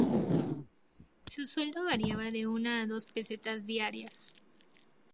Su sueldo variaba de una a dos pesetas diarias.